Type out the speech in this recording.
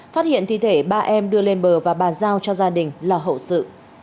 phát hiện thi thể ba em đưa lên bờ và bàn giao cho gia đình lo hậu sự